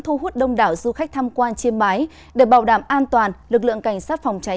thu hút đông đảo du khách tham quan chiêm bái để bảo đảm an toàn lực lượng cảnh sát phòng cháy